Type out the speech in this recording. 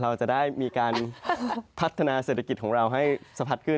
เราจะได้มีการพัฒนาเศรษฐกิจของเราให้สะพัดขึ้น